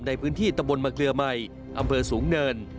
ในพื้นที่ตะบนมะเกลือใหม่อำเภอสูงเนิน